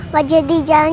wajah di jalan jalan dong ma